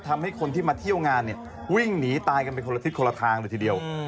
ทำให้คนที่มาเที่ยวงานเนี่ยวิ่งหนีตายกันไปคนละทิศคนละทางเลยทีเดียว